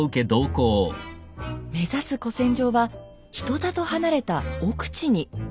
目指す古戦場は人里離れた奥地に。